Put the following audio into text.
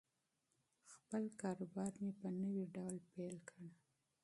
خپل کاروبار مې په نوي ډول پیل کړ.